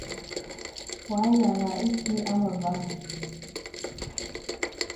Wɔ̄ a yìaŋə ìkì a mə ve.